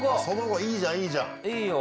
その後いいじゃんいいじゃん。